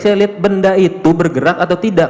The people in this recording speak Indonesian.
saya lihat benda itu bergerak atau tidak